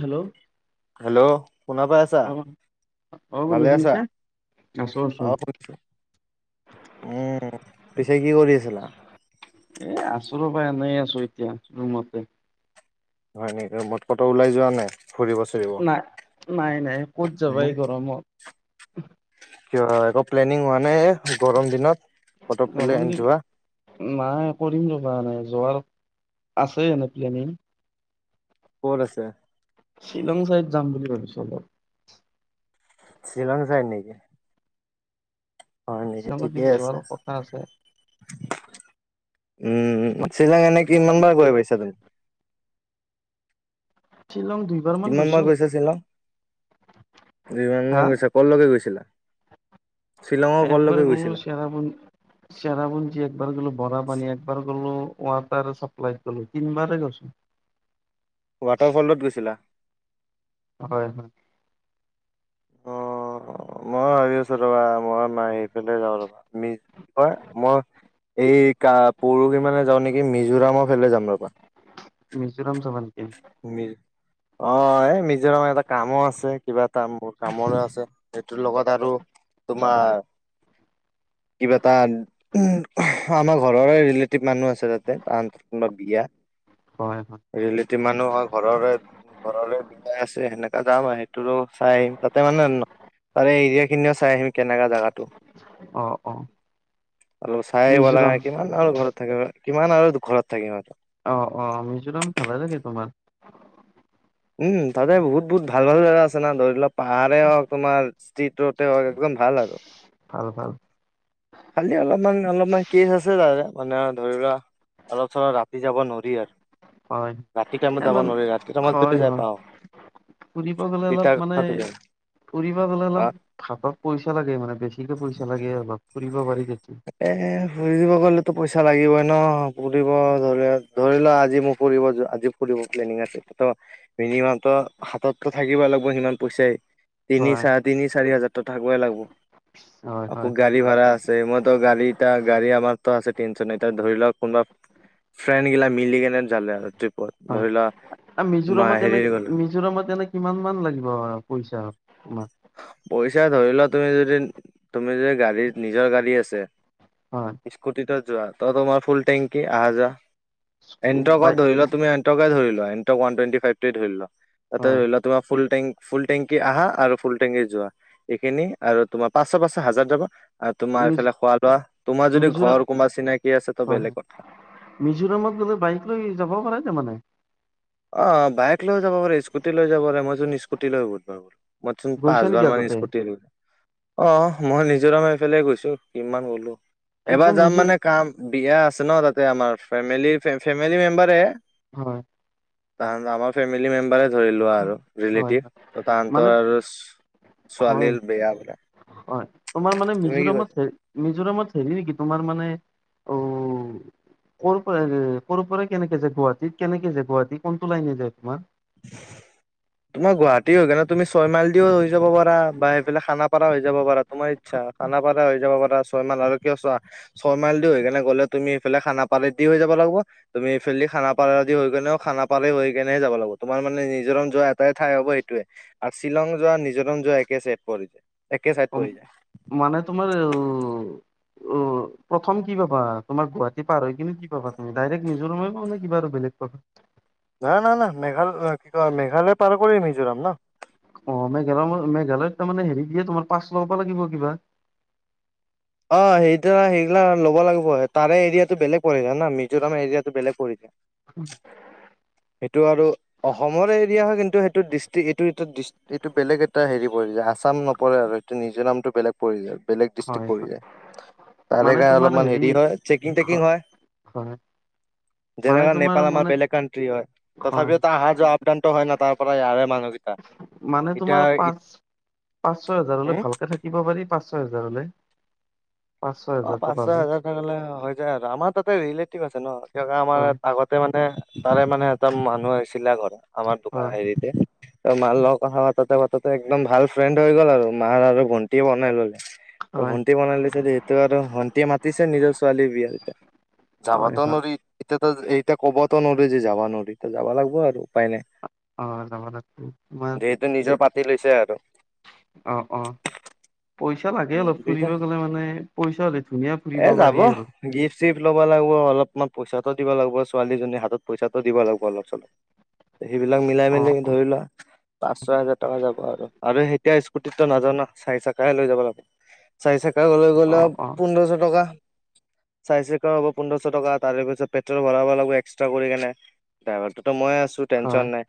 Hello. Hello শুনা পাই আছা? অ', অ', বন্ধু ভালে আছা? শুনিছো? আছো, আছো। অ শুনিছো উম, পিছে কি কৰি আছিলা? এ আছো ৰ'বা, এনেই আছো এতিয়া ৰুমতে। হয় নেকি মদ ক'তো ওলাই যোৱা নাই? ফুৰিব চুৰিব? নাই, নাই, নাই ক'ত যাবা উম এই গৰমত। কিয় এ প্লেনিং হোৱা নাই এ গৰম দিনত? ক'তো গৰম প্লেন দিন যোৱা? নাই কৰিম ৰ'বা নাই যোৱাৰ আছে এনে প্লেনিং। ক'ত আছে? শ্বিলং চাইদ যাম বুলি ভাবিছো অলপ। শ্বিলং চাইড নেকি? হয় নেকি শ্বিলঙত কিন্তু ঠিকেই যোৱাৰ আছে। কথা আছে উম শ্বিলঙ এনে কিমান বাৰ গৈ পাইছা তুমি? শ্বিলং দুইবাৰ মান কিমান গৈছো বাৰ গৈছা শ্বিলং? দুইবাৰ হা মান গৈছা কলগে গৈছিলা? শ্বিলঙৰ একবাৰ ক'লৈকে গ'লো গৈছিলা? চেৰাপুন চেৰা পুঞ্জী একবাৰ গ'লো বৰা পানী একবাৰ গ'লো। ৱাটাৰ চাপ্লাইত গ'লো তিনিবাৰে গৈছো। ৱাটাৰ ফলত গৈছিলা? হয়, হয়। অ'। মই ভাবি আছো ৰ'বা, মই ম আহি ফালাই যাওঁ ৰ'বা কয় মই এই ক পৰহি মানে যাওঁ নেকি মিজোৰামৰ ফালে যাম ৰ'বা। মিজোৰাম যাবা নেকি? অ' এ মি নিজ আমাৰ এটা কামো আছে কিবা এটা মোৰ কামৰে আছে লগত আৰু তোমাৰ কিবা এটা আমাৰ ঘৰৰে ৰিলেটিভ মানুহ আছে তাতে তাৰ অন্তত বিয়া। হয় হয়। ৰিলেটিভ মানুহ হয় ঘৰৰে। ঘৰৰে বিলাই আছে সেনেকা যাম আৰু সেইটো চাই আহিম তাতে মানে তাৰে এই এৰিয়া খিনিও চাই আহিম কেনেকা জাগাটো। অ অ অলপ চাই আহিব লাগে মিজোৰাম নে কিমান ঘৰত থাকিব। কিমান আৰু ঘৰত থাকিমি আৰু। অ', অ', মিজোৰাম ভালে লাগে তোমাৰ? উম তাতে বহুত বহুত ভাল ভাল জেগা আছে না ধৰি লোৱাক পাহাৰাৰেেই হওক তোমাৰ ষ্টট ৰোডে হওক একদম ভাল আৰু। ভাল ভাল। খালি অলপমান অলপমান কেচ আছে তাৰে মানে ধৰি লোৱা অলপ চলপ ৰাতি যাব নোৱাৰি আৰ। হয় ৰাতি টাইমত যাব ইমান নোৱাৰি ৰাতি টাইমত হয় যদি যাই হয় পাওঁ ফুৰিব গ'লে অলপ তেতিয়া মানে কথাটো [unintelligible] ফুৰিব গলে অ অলপ হাতত পইচা লাগে মানে বেছিকে পইচা লাগে অলপ। ফুৰিব পাৰি তেতিয়া এ ফুৰি দিব গলেতো পইচা লাগিবই ন ফুৰিব গলেও ধৰি লোৱা আজি মোৰ ফুৰিব আজি ফুৰিব প্লেনিং মিনিমাম তো হাততো থাকিব লাগ ল সিমান পইচাই তিনি হয় চ তিনি চাৰি হাজাৰ থাকই লাগিব। হয় হয়। [unintelligible] আছে মইত গা়ী এটা গাড়ী আমাৰতো আছে টেনশন ন এ ধৰি লওক কোনোবা ফ্ৰেণ্ড গিলা মিলি কেনে জালে আৰু ট্ৰিপত হয় ধৰি লোৱা মা মিজোৰামত হেৰি এনে গ'লো মিজোৰামত এনে কিমান মান লাগিব পইচা তোমাক। ধৰি পইচা লোৱা তুমি যদি তুমি যদি গাড়ী নিজৰ গাড়ী আছে হয় স্কুটি ত যোৱা তই তোমাৰ ফুল টেংকি আহা যোৱা। এণ্ট্ৰকত বাই ধৰিলোৱা তুমি ধৰি এণ্ট্ৰক ফাইভ ধৰিল তাতে হয় ধৰি তাৰ ফ ফুল টংক আহা আৰু ফুল। টেঙি যোৱা এইখিনি আৰু তোমাৰ পাচশ পাছ হাজাৰ যাবা আৰু তোমাৰ মিজ এইফালে খোৱা লোৱা। তোমাৰ যদি মিজোৰাম ঘৰ কোনোবা চিনাকি আছে তো হয় বেলেগ কথা। মিজোৰামত গ'লে বাইক লৈ যাব পাৰে ন মানে। অ', বাইক লৈও যাব পাৰে স্কুটি লৈ যাব পাৰে মই যোন স্কুটি লৈ। [unintelligible] মচোন পাঁচ গৈছা হবাৰ নেকি মান আগতে স্কুটি অ', মই নিজৰম এইফালে গৈছো কিমান গলো। এবাৰ একদম যাম মিজো মানে কাম বিয়া আছে ন তাতে আমাৰ ফেমি ফেমিলি মেম্বাৰে। হয়। তাহান আমাৰ ফেমিলি মেম্বাৰে ধৰি লোৱা হয় আৰু হয় ৰিলেটিভ ত মানে তাহতৰ আৰু হয় ছোৱালীৰ বেয়া বোলে। হয় তোমাৰ মানে তুমি কি কৈছা? মিজোৰামত হ মিজোৰামত হেৰি নেকি তোমাৰ মানে অ'। পৰা ক' পৰা কেনেকে যে গুৱাহাটীত কেনেকে যে গুৱাহী কোনটো লাইনে যায় তোমাৰ। [inaudible] তোমাৰ গুৱাহাটী হৈ কিনে তুমি ছয় মাইল দিও হৈ যাব পাৰা বা এইফালে খানাপাৰা হৈ যাবাৰা তোমাৰ ইচ্ছা। খানাপাৰা হৈ যাব পাৰা ছয় মাইল আৰু কিয় ছয় মাইল দি হৈ কিনে গ'লে তুমি সফালে খানাপাৰা দি হৈ যাবা তুমি ফালদি খানাপাৰা আদি হৈনে খানাপাৰা হৈ কেনেহে যাব লাগ তোমাৰ মানে নিজৰণ যোৱা এটাই ঠাই হ'ব সেইটয়ে আৰু শ্বিলং যোৱা নিজৰ যোৱা একে চট পৰি য অ, মানে তোমাৰ উ- উ। প্ৰথম কি পাবা তোমাৰ গুৱাহাটী পাৰ হৈ কিন্তু কি পাবা তুমি ডাইৰেক্ট মিজোৰাম পা নে কিবা বেলেগ পাবা। ন - ন - না মেঘাল কি ক মেঘ তালে পাৰ কৰি মিজোৰাম ন তাৰ মানে হেৰি দিয়ে তোমাৰ পাৰ্ছ লব লাগিব কিবা অ সেইটো সেইগিলা ল'ব লাগিব তাৰে এৰিয়াটো বেলেগ পৰে জানা মিজোৰাম এৰিয়াটো বেলেগ পৰে উম [unintelligible] সেইটো আৰু অসমৰ এৰিয়া হয় কিন্তু সেইটো ডিষ্ট্ৰিক এইটো এ এইটো বেলেগ এটা হেৰি আছাম নপৰে আৰু এইটো মিজোৰামটো বেলেগ পৰি যায় বেলেগ হয় হয় ডিষ্ট্ৰিক্ তাৰে মানে কাৰণে তোমাৰ অলপমান হেৰি হয় চেকিং-টেকিং হয় হয় মানে যেনেকা তোমাৰ নেপাল আমাৰ মানে বেলেগ কানট্ৰি হয় হয় তথাপিও ত আহা যোৱা আপডনটো হয় ন। পৰা ইয়াৰে মানুহ মানে তোমাৰ পাঁচ-পাঁচ ছয় হাজাৰ হলে উম ভালকে থাকিব পাৰি পাঁচ ছয় হাজাৰ নে পাঁচ ছয় অ পাঁচ ছয় হাজাৰ এটা হৈ যায় আৰু আমাৰ তাতে ৰিলেটিভ আছে ন। আমাৰ হয় আগতে মানে তাৰে মানে এটা মানুহ আহিছিলে ঘৰত আমাৰ দোকান হয় হেৰিতে, ত মাৰ লগ কথা পাতোঁতে পা তাতে একদম ভাল ফ্ৰেণ্ড হৈ গ'ল আৰু মাৰ আৰু ভন্টি বনাই ললে হয় ভন্টি বনাই ভণ্টি মাতিছে নিজৰ ছোৱালীৰ বিয়া এতিয়া হয় যাবতো হয় নৰি এতিয়া ক'বতো নোৱাৰো যে যাবা নোৱাৰি এতিয়া যাব লাগিব আৰু। উপায় নাই অ যাব লাগিব তোমাৰ যিহেতু নিজৰ পাতি লৈছে আৰু। অ', অ' পইচা পইচা লাগে উম অলপ বুজিছা ফুৰিব গলে মানে পইচা হ'লে ধুনীয়া এ ফুৰিব যাব পাৰি আৰু গিফ্ট চিফ্ট ল'ব লাগিব অলপমান পইচাটো দিব লাগিব ছোৱালীজনীৰ হাতত পইচাটো দিব লাগিব অলপ-চলপ। সেইবিলাক মিলাই অ মেলি ধৰি লোৱা পাঁচ ছয় হাজাৰ টকা যাব আৰু সেতিয়া স্কুটিতটো নাযাওঁ ন চাৰি চাকাহে লৈ যাব লাগিব চাৰি চাকা লৈ অ গ'লে অ পোন্ধৰশ টকা [inaudible] চাৰি চাকা হব পোন্ধৰশ টকা তাৰ পিছত পেট্ৰল ভৰাব লাগিব এক্সট্ৰা কৰি কেনে ড্ৰাইভাৰটো মই আছো টেনশ্যন হয় নাই।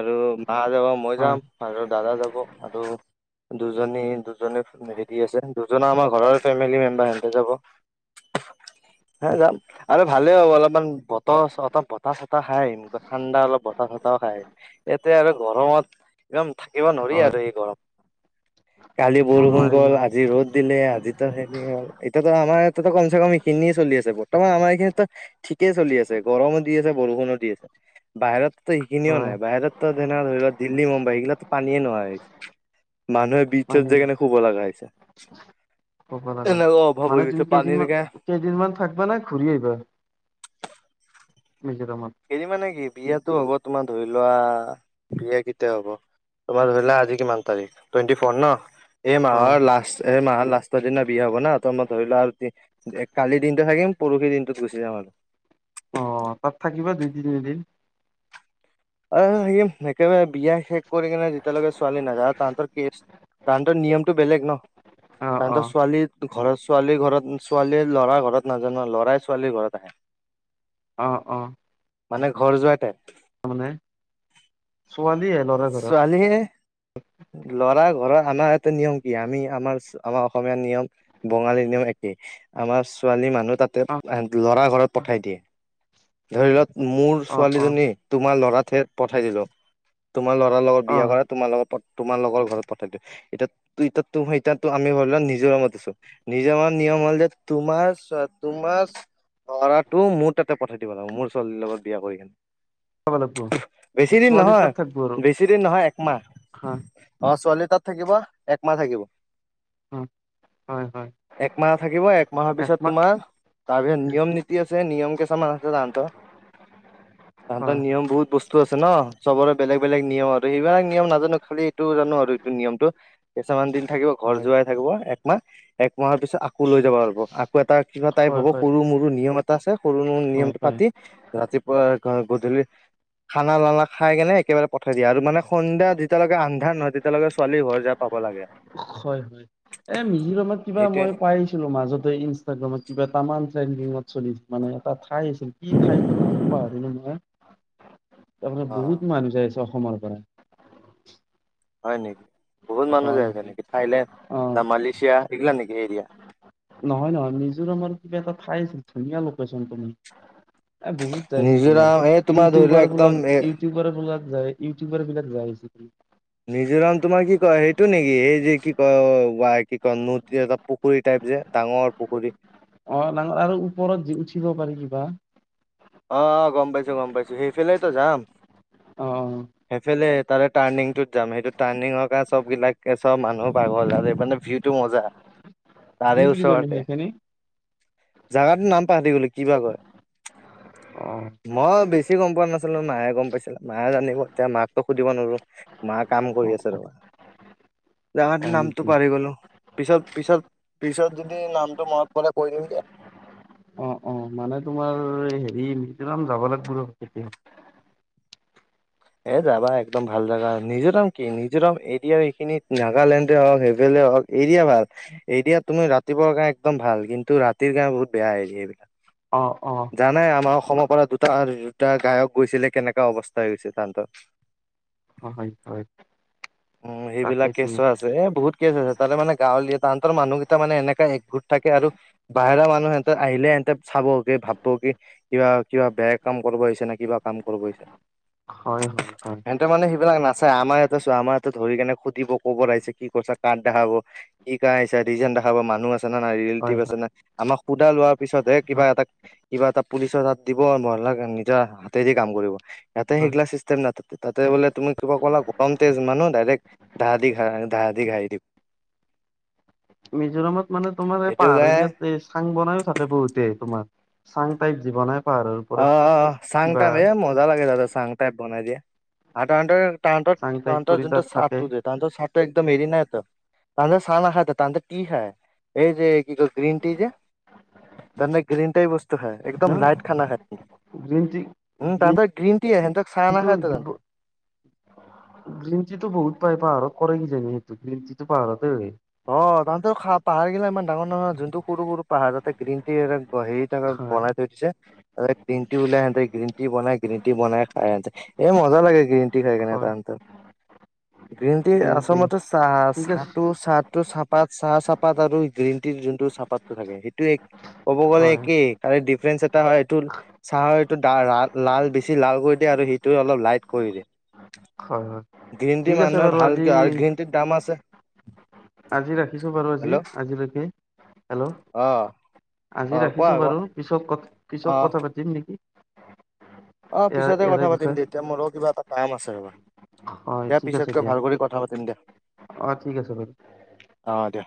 আৰু মা যাব মই হয় যাম আৰু দাদা যাব আৰু দুজনী দুজনে মিলি আছে দুজনে আমাৰ ঘৰৰ ফেমিলি মেম্বাৰ সিহঁতে যাব। হে যাম আৰু ভালে হব অলপমান বতৰ অলপ বতাহ চতাহ খাই আহিম ঠাণ্ডা অলপ বতাহ চতাহ। [unintelligible] এতিয়া আৰু গৰমত একদম থাকিব নোৱাৰি হয় আৰু এই গৰম কালি অ বৰষুণ নোৱাৰি গ'ল নোৱাৰি আজি ৰ'দ দিলে আজিটো হেৰি হ'ল, এইটোতো আমাৰ এইটোতটো কম চে কম এইখিনিয়ে চলি আছে বহুত বৰ্তমান আমাৰ এইখিনিতো ঠিকেই চলি আছে গৰমো দি আছে বৰষুণো দি আছে বাহিৰত সেইখিনিও হয় নাই বাহিৰতো যেনে ধৰি লোৱা দিল্লী মুম্বাই সেইগিলাকতটো পানীয়ে নোহোৱা হৈছে। মানুহে ব্ৰিছত পানী যায় হৈছে শুব লগা হৈছে। ক'ব লাগে এনেকুৱা অভাৱ হৈ মানে গৈছে তুমি পানীৰ কেইদিনমান, গে কেইদিনমান থাকিবা নে ঘূৰি আহিবা? [inaudible] মিজোৰামত এদিন মানে কি বিয়াটো হ'ব তোমাৰ ধৰি লোৱা, বিয়া কেতিয়া হব! তোমাৰ ধৰিলা আজি কিমান তাৰিখ টুৱেণ্টি ফৰ ন এই হয় মাহৰ হয় লাষ্ট এ মাহৰ লাষ্টৰ দিনা বিয়া হব না ত মই ধৰিলোৱা আৰু কালিৰ দিনটো থাকিম পৰহি দিনটোত গুচি যাম আৰু অ তাত থাকিবা দুই-তিনিদিন? অঁ সেয়ে সেইকাৰণে বিয়া শেষ কৰি কিনে যেতিয়ালৈকে ছোৱালী নাযায় তাহাঁতৰ কেচ তাহঁতৰ নিয়মটো বেলেগ ন, অ অ তাহঁতৰ ছোৱালী ঘৰত ছোৱালী ঘৰত ছোৱালীয়ে লৰা ঘৰত নাজানো লৰাই ছোৱালীৰ ঘৰত আহে। অহ অহ মানে ঘৰ জোঁৱাই টাইপ হে ছোৱালী ল'ৰা ঘৰৰ আনা সেইতো নিয়ম কি আমি আমাৰ আমাৰ অসমীয়া নিয়ম বঙালী নিয়ম একেই আমাৰ ছোৱালী মানুহ তাতে অ ল'ৰা ঘৰত পঠাই দিয়ে। ধৰি লওঁক মোৰ অ অ ছোৱালীজনী তোমাৰ ল'ৰাত পঠাই দিলো তোমাৰ ল'ৰাৰ লগত অ বিয়া কৰাই তোমাৰ লগত তোমাৰ লোকৰ ঘৰত পঠাই দিওঁ এ তুমি আমি ধৰি ল মিজুৰামত আছো মিজুৰামত ম তোমাৰ তোমাৰা ল'ৰাটো মোৰ তাতে পঠাই দিব লাগিব মোৰ ছোৱালীৰ লগত বিয়া কৰি কিনে চাব লাগিব বেছি দিন ছোৱালী নহয়। তাত থাকিব আৰু বেছি দিন নহয় একমাহ হা অ' ছোৱালী তাত থাকিব একমাহ থাকিব। হা হয় হয় একমাহ থাকিব একমাহৰ পিছত একমাহ তোমাৰ তাৰপিছত নিয়ম নীতি আছে নিয়ম কে আছে তাহাতৰ। তাহাতৰ হয় হয় নিয়ম বহুত বস্তু আছে ন চবৰে বেলেগ বেলেগ নিয়ম আৰু সেইবিলাক নিয়ম নাজানো খালি এইটো জানো আৰু এইটো নিয়মটো। কিছুমান দিন থাকিব ঘৰ হয় জোৱাই থাকিব একমাহ এক পিছত আকৌ লৈ যাব পাৰিব আকৌ এটা কিবা টাইপ হ'ব হয় সৰু মৰু নিয়ম এটা আছে সৰু হয় নিয়মটো হয় পাতি ৰাতিপুৱা গধূলি খানা লানা খাই কেনে একেবাৰে পঠাই দিয়ে মানে সন্ধা যেতিয়া লাকে আন্ধাৰ নহয় তেতিয়া লৈকে ছোৱালী ঘৰ যায় পাব লাগে আৰু হয়, হয়। এ মিজোৰামত কিবা সেইটোৱে মই নিয়ম পাইছিলো মাজতে ইনষ্টাগ্ৰামত কিবা তামান টেন্ডিংত চলি মানে এটা ঠাই আছিল কি ঠাইটোৰ নামটো পাহৰিলো মই। তাত মানে অ বহুত মানুহ যায় আছে অসমৰ পৰা। হয় নেকি বহুত মানুহ হয় যায় আছে হয় নেকি থাইলেণ্ড অ ন মালয়েছিয়া সগিলা নেকি? এৰিয়া নহয় নহয় মিজোৰামৰ কিবা এটা ঠাই আছিল ধুনীয়া লোকেশন মানে। এ বহুত যাইছিল তোমাৰ মিজোৰাম এই তোমাৰ ধৰি লোৱা ইউটিউবাৰ একদম বিলাক এ ইউটিউবাৰ বিলাক য ইউটিউবাৰ বিলাক যাই হৈছিল। নিজোৰাম তোমাৰ কি কয় সেইটো নেকি এই যে কি কয় কি কয় নদ এ পুখুৰী টাইপ। যে ডাঙৰ পুখুৰী। অ ন আৰু ওপৰত যে উঠিব পাৰি কিবা? অ অ গম পাইছো গম পাইছো সেইফালেতো যাম। অ'। সেইফালে তাৰে টাৰ্ণিংটোত যাম সেইটো টাৰ্ণিঙৰ কাৰণে চবিলাকে চব মানুহ পাগল আৰু স মানে ভিউতটো মজা। কি বুলি কয়নো সেইখিনি? জাগাতো নাম পাহৰি গ'লো কিবা কয়। অ মই বেছি [unintelligible] গম পোৱা নাছিলো, মায়ে গম পাইছিলে, মায়ে জানিব। এতিয়া মাকতো সুধিব নোৱাৰো। মায়ে কাম কৰি অ আছে ৰ'বা। জেগাটো হয় নামটো নেকি পাহৰি গ'লো। পিছত-পিছত পিছত যদি নামটো মনত পৰে কৈ দিম দিয়া। অ', অ', মানে তোমাৰ হেৰি মিজোৰাম যাব লাগিব কেতিয়া। এ যাবা, একদম ভাল জাগা হয়। মিজোৰাম কি মিজোৰাম এতিয়া এইখিনি নাগালেণ্ডে হওঁক [unintelligible] তে হওঁক এৰিয়া ভাল। এতিয়া তুমি ৰাতিপুৱাৰ কাৰণে একদম ভাল কিন্তু, ৰাতিৰ কাৰণে বহুত বেয়া এৰিয়া এইবিলাক। অ অ জানাই আমাৰ অসমৰ পৰা দুটা-দুটা গায়ক গৈছিলে, কেনেকা অৱস্থা হৈ গৈছিল তাহাঁতৰ। হয়, হয়। [inaudible] উম, এইবিলাক তাকেইতো কেছো আছে, এ বহুত কেচ আছে। তাৰেমানে গাঁৱলীয়া, তাহাঁতৰ মানুহকেইটা মানে এনেকা একো থাকে আৰু বাহিৰা মানুহ সেহেতে আহিলে সেহেতে চাবগে, ভাব্ব কি কিবা-কিবা বেয়া কাম ক কৰিব আহিছেনে কিবা কাম কৰিব আহিছে। হয় হয় হয় সেহেতে মানে সেইবিলাক নাচাই আমাৰ এতিয়া চোৱা আমাৰ ইয়াতে ধৰি কেনে সুধিব ক'ত আহিছে, কি কথা, কাৰ দেখাব, [unintelligible] ৰিজন দেখাব মানুহ আছে জানা নাই, ৰিলেটিভ হয় হয় আছেনে নাই। আমাক সুধা লোৱাৰ পিছতহে কিবা এটা কিবা এটা পুলিচৰ হাত দিব, মহিলাক নিজৰ হাতেদি কাম কৰিব। ইয়াতে হয় সেইগিলা চিষ্টেম নাথা তাতে বোলে তুমি কিবা ক'লা, গৰম তেজ মানুহ ডাইৰেক্টা দা দি ঘা-ডা দি ঘাহি দিব [inaudible] মিজোৰামত মানে তোমাৰ এই সেইটো পাহাৰ গে এৰিয়াত এই চাং বনাইয়ো থাকে বহুতে তোমাৰ। চাং টাইপ যি বনাই পাহাৰৰ ওপৰত অ', অ', অ', চাং কিবা টাইপ হে মজা লাগে দাদা চাং টাইপ বনাই দিয়ে। আৰু তাহাঁতৰ চাং টাইপ তাহাঁতৰ-তাহাঁতৰ কৰি যোনটো তাত থাকে চাঙটো যে, তাহাঁতৰ চাঙটো একদম হেৰি নাইতো। তাহাতে চাহ নাখায়তো, তাহাতে টি খাই। এই যে কি কয়, গ্ৰীন টি যে! তাহাতে গ্ৰীণ টাইপ বস্তু খাই! একদম ন লাইট খানা খায়। গ্ৰীণ টি, উম গ্ৰীন, তাহাঁতৰ গ্ৰীণ টি আহে, সিহঁতক চাহ টো নাখায় দিব তাহাঁতে। গ্ৰীণ টিটো বহুত পায়, পাহাৰত কৰে কিজনি সেইটো। গ্ৰীণ টিটো পাহাৰতে হয়। অ তাহতে পাহাৰ গিলা ইমান ডাঙৰ ডাঙৰ যোনটো সৰু সৰু পাহাৰ তাতে গ্ৰীণ ট হেৰি থাকে হয় বনাই থৈ দিছে গ্ৰীণ টি লিয়াই হেহতে গ্ৰীণ টি বনাই গ্ৰীণ টি বনাই খাই সিহঁতে। এই মজা লাগে গ্ৰীন টি খাই কেনে হয় তাঁহাতৰ। গ্ৰীণ টি আচলতে ঠিক চাহ আছে চটো চ চাহপাত চাহ চাহপাত আৰু গ্ৰীণ টিৰ যোনটো চাহপাতটো থাকে সেইটো এক, ক'ব গ'লে হয় একেই আৰু ডিফাৰেন্ঞ্চ হয় এইটো চাহৰ এইটো লাল বেছি লাল কৰি দিয়ে আৰু সিটো অলপ লাইট কৰি দিয়ে। হয় হয় গ্ৰীণ টি ঠিক আছে মানুহে বাৰু ভাল আজি কিয় আৰু গ্ৰীণ টিৰ দাম আছে। আজি ৰাখিছোঁ বাৰু আজি হেল্ল' আজিলৈকে, হেল্ল' অ অ আজি কোৱা ৰাখিছোঁ বাৰু কোৱা পিত পিছত অ কথা পাতিম নেকি? অ ইয়াৰ পিছতে ইয়াৰে কথা পাতিম বিষয়ে দে এতিয়া মোৰো কিবা এটা কাম আছে ৰবা। হয় দিয়া ঠিক আছে পিছতকৈ দিয়া ভাল কৰি কথা পাতিম দিয়া অ ঠিক আছে বাৰু অহ দিয়া।